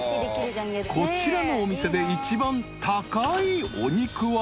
［こちらのお店で一番高いお肉は］